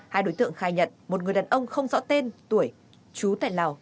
hai đối tượng khai nhận một người đàn ông không rõ tên tuổi chú tại lào